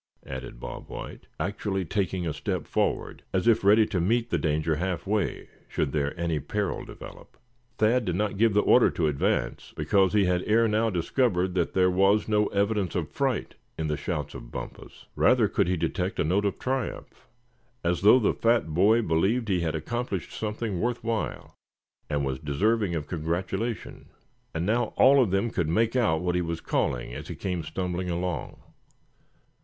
added Bob White, actually taking a step forward, as if ready to meet the danger half way, should there any peril develop. Thad did not give the order to advance because he had 'ere now discovered that there was no evidence of fright in the shouts of Bumpus. Rather could he detect a note triumph, as though the fat boy believed he had accomplished something worth while, and was deserving of congratulation. And now all of them could make out what he was calling as he came stumbling along.